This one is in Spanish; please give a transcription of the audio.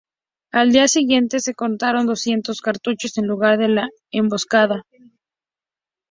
Al día siguiente se contaron doscientos cartuchos en el lugar de la emboscada.